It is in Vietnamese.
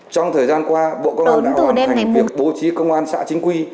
trong thời gian qua bộ công an đã hoàn thành việc bố trí công an xã chính quy